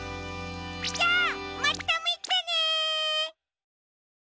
じゃあまたみてね！